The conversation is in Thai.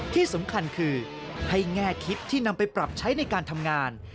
ที่สำคัญคือให้แง่คิดที่นำไปปรับใช้ในการทำงาน